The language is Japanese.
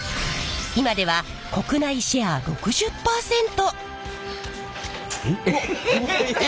今では国内シェア６０％！ええ！？